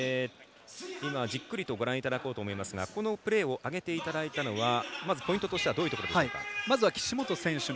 今じっくりとご覧いただこうと思いますがこのプレーを挙げていただいたのはポイントとしてはどういうところでしょうか？